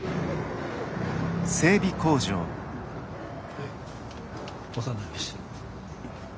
はいお世話になりました。